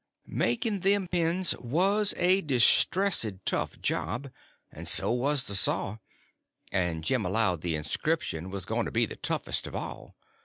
Making them pens was a distressid tough job, and so was the saw; and Jim allowed the inscription was going to be the toughest of all.